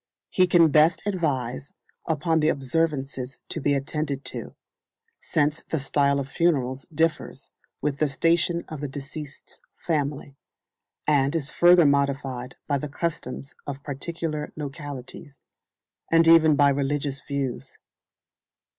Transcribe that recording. He can best advise upon the observances to be attended to, since the style of funerals differs with the station of the deceased's family, and is further modified by the customs of particular localities, and even by religious views.